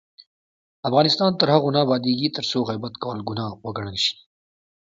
افغانستان تر هغو نه ابادیږي، ترڅو غیبت کول ګناه وګڼل شي.